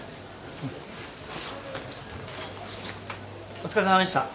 お疲れさまでした。